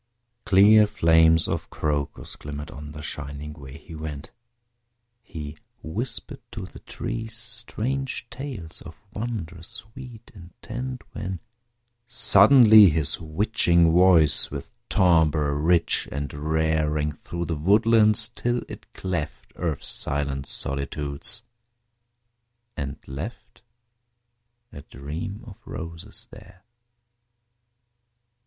Clear flames of Crocus glimmered on The shining way he went. He whispered to the trees strange tales Of wondrous sweet intent, When, suddenly, his witching voice With timbre rich and rare, Rang through the woodlands till it cleft Earth's silent solitudes, and left A Dream of Roses there!